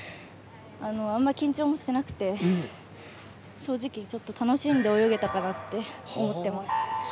あんまり緊張もしてなくて正直楽しんで泳げたかなと思ってます。